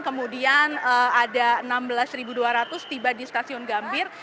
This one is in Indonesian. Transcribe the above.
kemudian ada enam belas dua ratus tiba di stasiun gambir